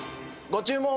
ご注文は？